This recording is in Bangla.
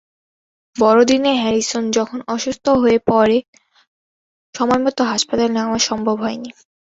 বড়দিনে হ্যারিসন যখন অসুস্থ হয়ে পড়েন, সময়মতো হাসপাতালে নেওয়া সম্ভব হয়নি।